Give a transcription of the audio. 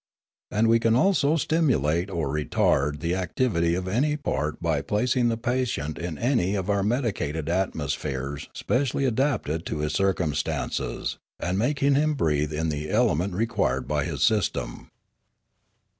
And we can also stimulate or retard the activity of any part by placing the patient in any of our medicated atmospheres specially adapted to his circumstances, and making him breathe in the element required by his system.